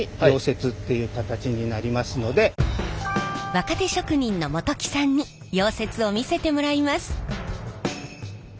若手職人の本木さんに溶接を見せてもらいます。